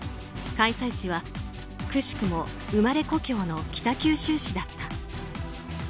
開催地は、くしくも生まれ故郷の北九州市だった。